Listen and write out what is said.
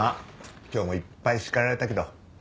今日もいっぱい叱られたけど大丈夫？